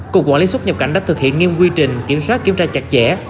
cục quản lý xuất nhập cảnh đã thực hiện nghiêm quy trình kiểm soát kiểm tra chặt chẽ